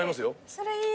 それいい。